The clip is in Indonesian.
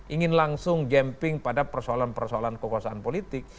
ingin langsung jemping pada persoalan persoalan kekuasaan politik